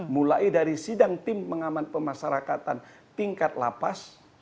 mulai dari sidang tim pengaman pemasarakatan tingkat lapas